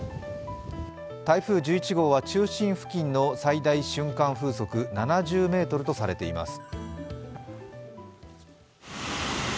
台風１１号は中心付近の最大瞬間風速７０ｍとされています。